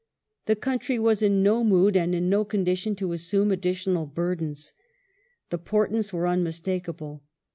The country was in no mood and in no condition to assume additional burdens. The portents were unmistakable.